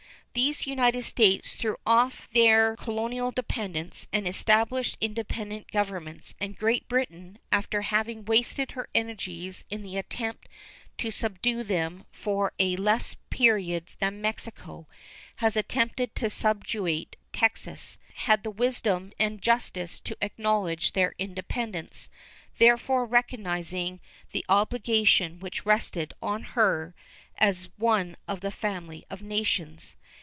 These United States threw off their colonial dependence and established independent governments, and Great Britain, after having wasted her energies in the attempt to subdue them for a less period than Mexico has attempted to subjugate Texas, had the wisdom and justice to acknowledge their independence, thereby recognizing the obligation which rested on her as one of the family of nations.